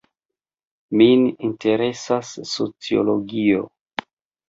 Min interesas sociologio.